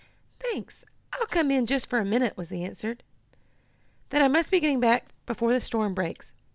'" "Thanks, I'll come in for just a minute," was the answer. "Then I must be getting back before the storm breaks.